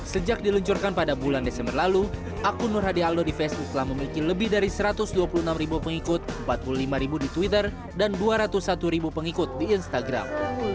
sejak diluncurkan pada bulan desember lalu akun nur hadi aldo di facebook telah memiliki lebih dari satu ratus dua puluh enam ribu pengikut empat puluh lima ribu di twitter dan dua ratus satu pengikut di instagram